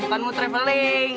bukan mau travelling